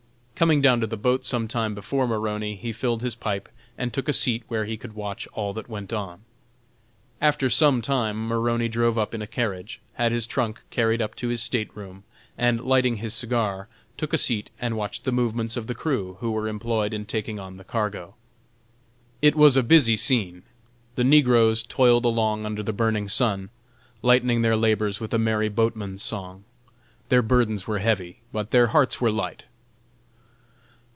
Coming down to the boat some time before Maroney, he filled his pipe and took a seat where he could watch all that went on. After some time Maroney drove up in a carriage, had his trunk carried up to his state room, and, lighting his cigar, took a seat and watched the movements of the crew who were employed in taking on the cargo. It was a busy scene: the negroes toiled along under the burning sun, lightening their labors with a merry boatman's song. Their burdens were heavy, but their hearts were light.